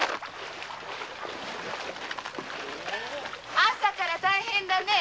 朝から大変だねえ！